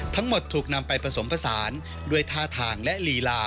ทั้งหมดถูกนำไปผสมภาษาด้วยทาทางและรีลา